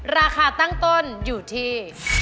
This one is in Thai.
ราคาตั้งต้นอยู่ที่